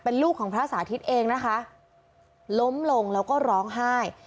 ลูกของพระสาธิตเองนะคะล้มลงแล้วก็ร้องไห้